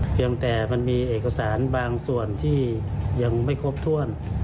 เพียงแต่มันมีเอกสารบางส่วนที่ยังไม่ครบถ้วน